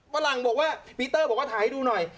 หลังบอกว่าปีเตอร์บอกว่าถ่ายให้ดูหน่อย